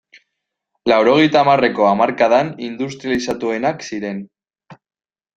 Laurogeita hamarreko hamarkadan industrializatuenak ziren.